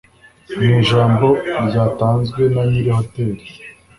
Mu ijambo ryatanzwe na nyiri hoteli